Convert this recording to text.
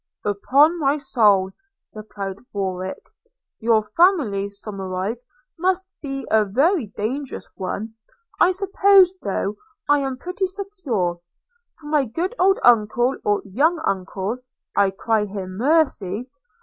– 'Upon my soul,' replied Warwick, 'your family, Somerive, must be a very dangerous one – I suppose, though, I am pretty secure; for my good old uncle, or young uncle – I cry him mercy!